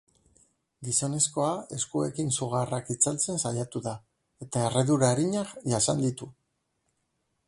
Gizonezkoa eskuekin sugarrak itzaltzen saiatu da, eta erredura arinak jasan ditu.